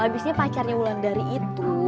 abisnya pacarnya ulang dari itu